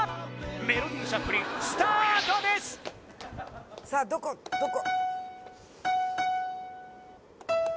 メロディシャッフリンスタートですさあどこどこ？